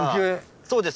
そうです。